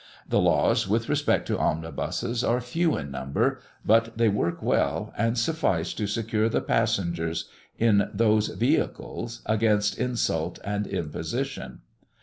The laws with respect to omnibuses are few in number; but they work well, and suffice to secure the passengers in those vehicles against insult and imposition.